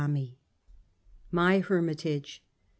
MY HERMITAGE.